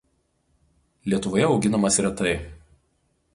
Lietuvoje auginamas retai.